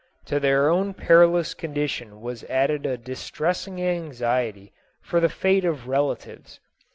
To their own perilous condition was added a distressing anxiety for the fate of relatives.